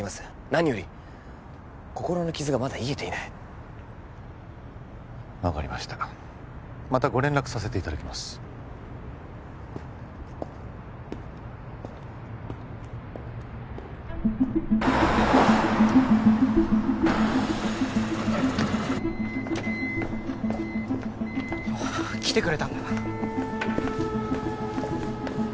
何より心の傷がまだ癒えていない分かりましたまたご連絡させていただきますああ来てくれたんだ